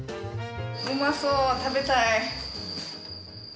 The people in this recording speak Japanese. うまそう食べたい。